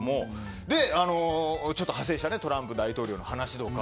で、ちょっと派生したトランプ大統領の話とか。